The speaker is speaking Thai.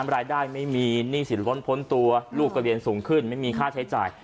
ไม่มีหนี้สินล้นพ้นตัวลูกก็เรียนสูงขึ้นไม่มีค่าใช้จ่าย